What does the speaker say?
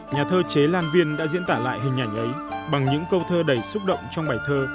nhà thơ chế lan viên đã diễn tả lại hình ảnh ấy bằng những câu thơ đầy xúc động trong bài thơ